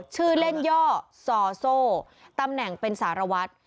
ชื่อเล่นย่อซอโซ่ตำแหน่งเป็นสารวัตร